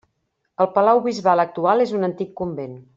El palau bisbal actual és un antic convent.